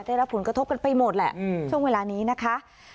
ได้รับผลกระทบกันไปหมดแหละช่วงเวลานี้นะคะ